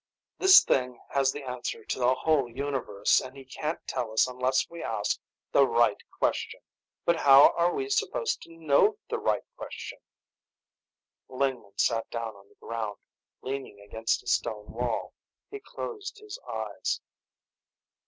"This thing has the answer to the whole universe, and he can't tell us unless we ask the right question. But how are we supposed to know the right question?" Lingman sat down on the ground, leaning against a stone wall. He closed his eyes.